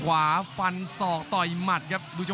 ขวางเอาไว้ครับโอ้ยเด้งเตียวคืนครับฝันด้วยศอกซ้าย